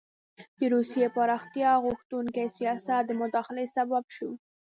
د روسیې پراختیا غوښتونکي سیاست د مداخلې سبب شو.